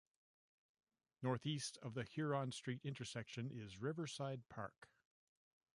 Northeast of the Huron Street intersection is Riverside Park.